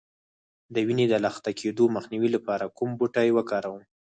د وینې د لخته کیدو مخنیوي لپاره کوم بوټی وکاروم؟